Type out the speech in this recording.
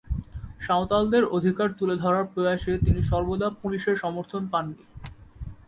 সাঁওতালদের অধিকার তুলে ধরার প্রয়াসে তিনি সর্বদা পুলিশের সমর্থন পাননি।